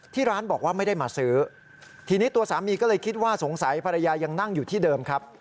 ร้านบอกว่าไม่ได้มาซื้อทีนี้ตัวสามีก็เลยคิดว่าสงสัยภรรยายังนั่งอยู่ที่เดิมครับ